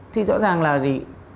thì rõ ràng là gì